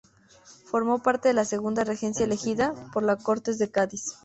Formó parte de la segunda regencia elegida por las Cortes de Cádiz.